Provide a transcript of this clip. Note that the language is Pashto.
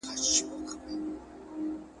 ښځه که خوشاله ساتې